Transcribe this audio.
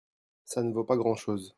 ça ne vaut pas grand-chose.